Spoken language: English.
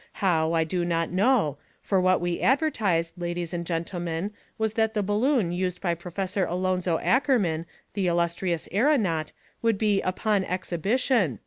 How, I do not know, for what we advertised, ladies and gentlemen, was that the balloon used by Prof. Alonzo Ackerman, the illustrious aeronaut, would be UPON EXHIBITION.